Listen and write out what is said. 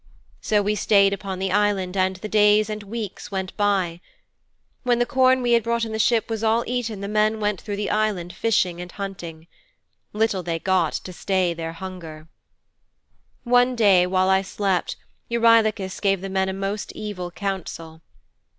So we stayed upon the Island and the days and the weeks went by. When the corn we had brought in the ship was all eaten the men went through the island fishing and hunting. Little they got to stay their hunger.' 'One day while I slept, Eurylochus gave the men a most evil counsel.